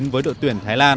với đội tuyển thái lan